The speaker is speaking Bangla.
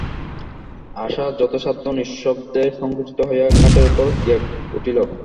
আশা যথাসাধ্য নিঃশব্দে সংকুচিত হইয়া খাটের উপর গিয়া উঠিল।